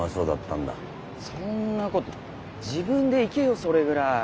そんなこと自分で行けよそれぐらい。